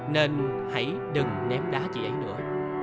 nên hãy đừng ném đá chị ấy nữa